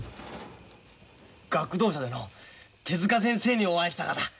学童社でのう手先生にお会いしたがだ。